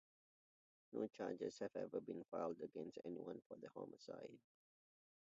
No charges have ever been filed against anyone for the homicide.